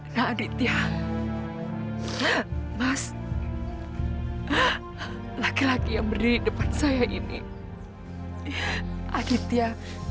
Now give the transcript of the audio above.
nah aditya mas laki laki yang berdiri depan saya ini aditya